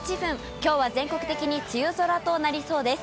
きょうは全国的に梅雨空となりそうです。